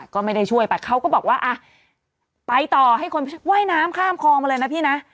ก็ไม่ได้ช่วยไปเขาก็บอกว่าอ่ะไปต่อให้คนว่ายน้ำข้ามคลองมาเลยนะพี่นะ